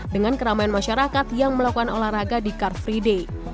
dengan keramaian masyarakat yang melakukan olahraga di car free day